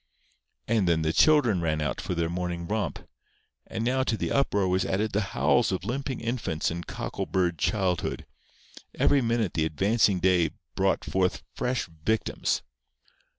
And then the children ran out for their morning romp. And now to the uproar was added the howls of limping infants and cockleburred childhood. Every minute the advancing day brought forth fresh victims.